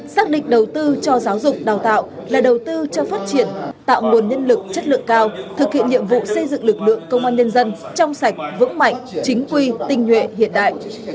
xác định đầu tư cho giáo dục đào tạo là đầu tư cho phát triển tạo nguồn nhân lực chất lượng cao thực hiện nhiệm vụ xây dựng lực lượng công an nhân dân trong sạch vững mạnh chính quy tinh nhuệ hiện đại